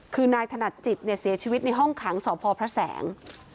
คือนายถนัดจิตเนี่ยเสียชีวิตในห้องขังสพพระแสง